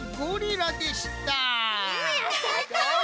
やったやった！